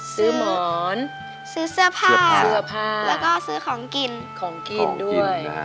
หมอนซื้อเสื้อผ้าซื้อเสื้อผ้าแล้วก็ซื้อของกินของกินด้วย